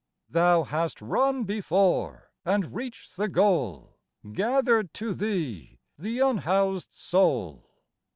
Thou hast run before and reached the goal, Gathered to Thee the unhoused soul.